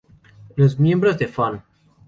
Los miembros de Fun.